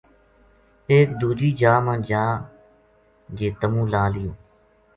ایک دوجی جا ما جا جے تَمو لا لیو